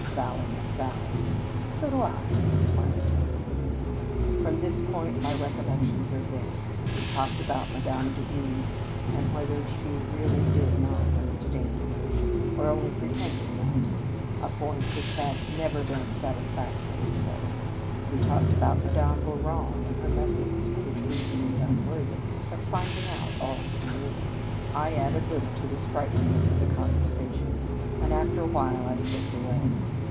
Valour met valour. " So do I," smiled Tony. From this point, my recollections are vague. We talked about Madame Davide, and whether she really did not understand English, or only pre tended not to, a point which had never been satisfactorily settled. We talked about Madame Bouron, and her methods (which we deemed un worthy) of finding out all she knew. I added little to the sprightliness of the conversation, and after a while I slipped away.